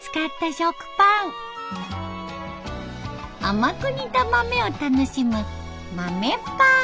甘く煮た豆を楽しむ豆パン。